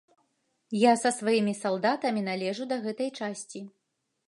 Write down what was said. Я са сваімі салдатамі належу да гэтай часці.